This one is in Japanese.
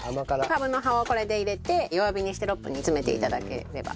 カブの葉をこれで入れて弱火にして６分煮詰めて頂ければ。